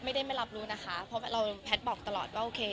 ไม่ได้ไม่รับรู้นะคะเพราะเราแพทย์บอกตลอดว่าโอเค